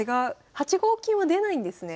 ８五金は出ないんですね。